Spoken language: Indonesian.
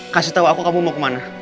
kasih tahu aku kamu mau kemana